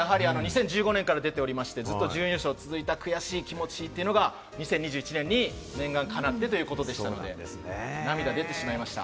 ２０１５年から出ておりまして、準優勝が続いた悔しい気持ちというのが２０２１年に念願叶ってということでしたので、涙が出てしまいました。